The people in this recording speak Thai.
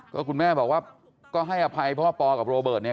ก็คุณแม่บอกว่าก็ให้อภัยเพราะว่าปอกับโรเบิร์ตเนี่ย